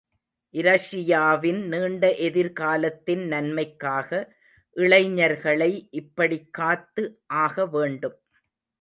இரஷியாவின் நீண்ட எதிர்காலத்தின் நன்மைக்காக, இளைஞர்களை இப்படிக்காத்து ஆகவேண்டும்.